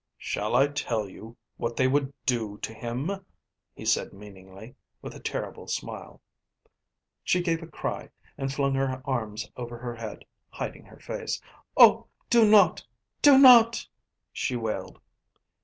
"Shall I tell you what they would do to him?" he said meaningly, with a terrible smile. She gave a cry and flung her arms over her head, hiding her face. "Oh, do not! Do not!" she wailed.